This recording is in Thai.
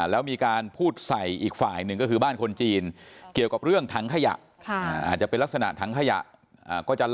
แล้วมีการพูดใส่อีกฝ่ายอีกฝ่ายนึงก็คือบ้านคนจีนเกี่ยวกับเรื่องทางขยะ